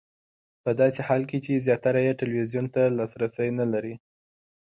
په داسې حال کې چې زیاتره یې ټلویزیون ته لاسرسی نه لري.